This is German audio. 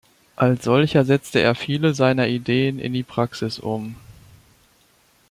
Als solcher setzte er viele seiner Ideen in die Praxis um.